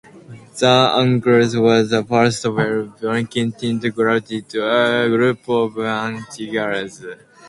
The Arawaks were the first well-documented group of Antiguans.